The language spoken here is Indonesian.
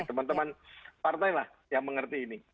teman teman partai lah yang mengerti ini